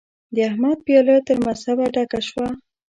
د احمد پياله تر مذهبه ډکه شوه.